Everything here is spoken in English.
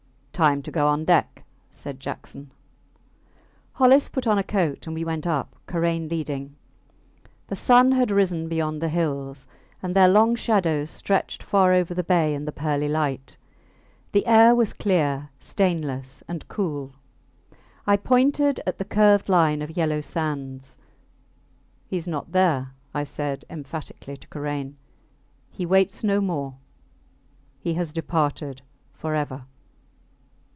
Time to go on deck, said Jackson. Hollis put on a coat, and we went up, Karain leading. The sun had risen beyond the hills, and their long shadows stretched far over the bay in the pearly light. The air was clear, stainless, and cool. I pointed at the curved line of yellow sands. He is not there, I said, emphatically, to Karain. He waits no more. He has departed forever.